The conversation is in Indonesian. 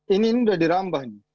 ini ini udah dirambah